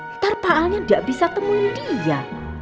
ntar paalnya gak bisa temuin dia